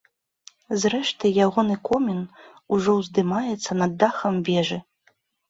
Зрэшты, ягоны комін ужо ўздымаецца над дахам вежы.